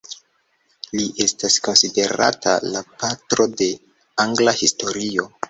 Li estas konsiderata "la patro de angla historio".